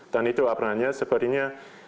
dan itu sebenarnya sepertinya